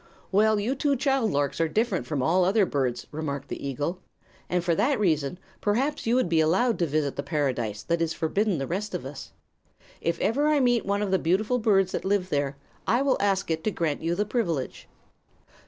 "Well, you two child larks are different from all other birds," remarked the eagle, "and for that reason perhaps you would be allowed to visit the paradise that is forbidden the rest of us. If ever I meet one of the beautiful birds that live there, I will ask it to grant you the privilege."